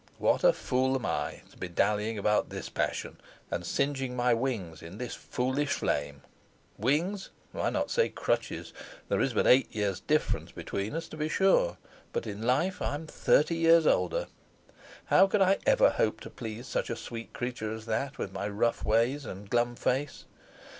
What a fool am I to be dallying about this passion, and singeing my wings in this foolish flame. Wings! why not say crutches? 'There is but eight years' difference between us, to be sure; but in life I am thirty years older. How could I ever hope to please such a sweet creature as that, with my rough ways and glum face?